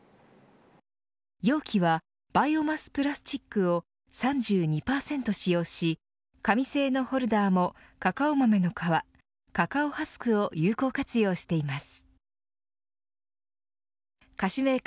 容器はバイオマスプラスチックを３２％使用し紙製のホルダーもカカオ豆の皮カカオハスクを有効活用しています。